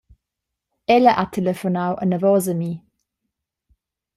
Ella ha telefonau anavos a mi.